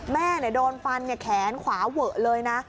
แม่โดนฟันแขนขวาเวอะเลยนะ